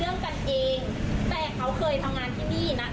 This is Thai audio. เมื่อวานวันที่สองคือวันพุธครับพี่เห็นเกิดเย็นวันอาทิตย์อ่า